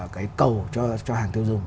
cái cầu cho hàng tiêu dùng